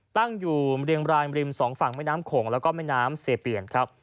ตั้งอยู่เรียงรายริม๒ฝั่งไม่น้ำโข่งและไม่น้ำเสเปียรครับ